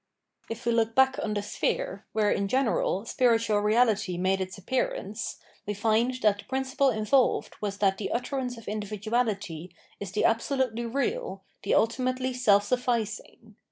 If we look back on the sphere where in general spiritual reality made its appearance, we find that the principle involved was that the utterance of individuality is the absolutely real, the ultimately self sufficing.